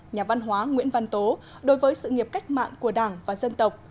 nhà văn hóa nguyễn văn tố đối với sự nghiệp cách mạng của đảng và dân tộc